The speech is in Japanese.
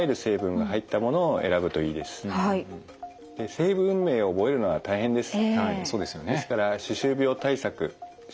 成分名を覚えるのは大変です。